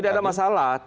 tidak ada masalah